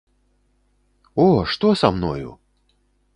О, што са мною?!.